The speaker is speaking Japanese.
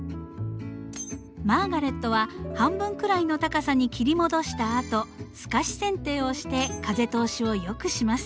マーガレットは半分くらいの高さに切り戻したあとすかしせん定をして風通しをよくします。